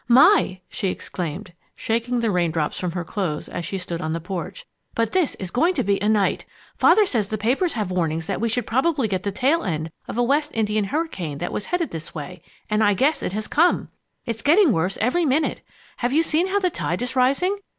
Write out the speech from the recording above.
"My!" she exclaimed, shaking the raindrops from her clothes as she stood on the porch, "but this is going to be a night! Father says the papers have warnings that we should probably get the tail end of a West Indian hurricane that was headed this way, and I guess it has come! It's getting worse every minute. Have you seen how the tide is rising?